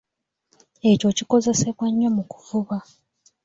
Ekyo kikozesebwa nnyo mu kuvuba.